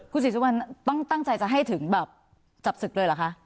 คุณสิทธิ์สุวรรณตั้งใจจะให้ถึงแบบจับศึกเลยเหรอคะ